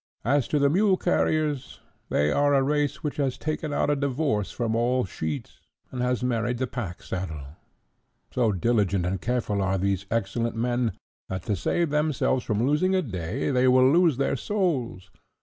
"As to the mule carriers, they are a race which has taken out a divorce from all sheets, and has married the pack saddle. So diligent and careful are these excellent men, that to save themselves from losing a day, they will lose their souls.